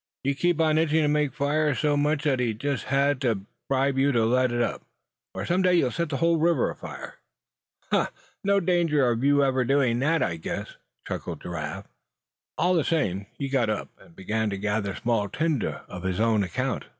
"You keep on itching to make fires so much, that he just had to bribe you to let up, or some day you'd set the river afire." "Huh! no danger of you ever doing that, I guess," chuckled Giraffe. All the same, he got up, and began to gather small tinder on his own account.